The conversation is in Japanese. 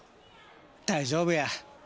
大丈夫や。